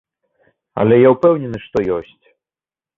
Але я ўпэўнены, што ёсць.